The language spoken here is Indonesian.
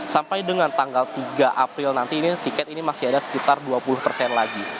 sampai dengan tanggal tiga april nanti ini tiket ini masih ada sekitar dua puluh persen lagi